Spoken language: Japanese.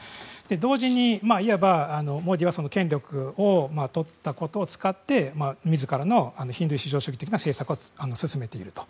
同時に、いわばモディは権力を使って自らのヒンドゥー至上主義的な政策を進めていると。